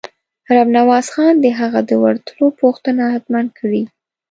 رب نواز خان د هغه د ورتلو پوښتنه حتماً کړې.